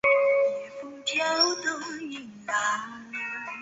黄连木也是本属植物中最耐寒的种类。